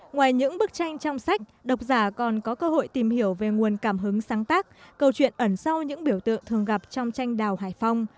ngoài những bức tranh trong sách độc giả còn có cơ hội tìm hiểu về nguồn cảm hứng sáng tác câu chuyện ẩn sau những biểu tượng thường gặp trong tranh đào hải phong